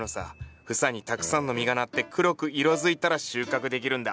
房にたくさんの実がなって黒く色づいたら収穫できるんだ。